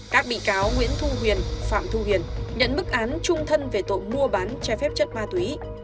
các bị cáo nguyễn thu huyền phạm thu hiền nhận bức án trung thân về tội mua bán trái phép chất ma túy